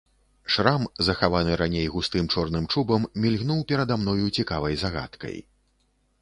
Шрам, захаваны раней густым чорным чубам, мільгнуў перада мною цікавай загадкай.